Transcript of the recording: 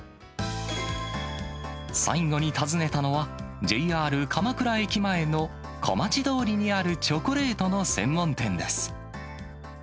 最後に訪ねたのは、ＪＲ鎌倉駅前の小町通りにあるチョコレートの専門店です。